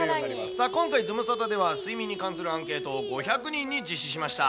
さあ、今回、ズムサタでは睡眠に関するアンケートを５００人に実施しました。